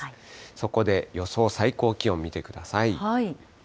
そこで予想最高気温、見てください。